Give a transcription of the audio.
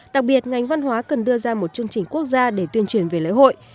đặc biệt ngành văn hóa cần đưa ra một chương trình quốc gia để tuyên truyền về lễ hội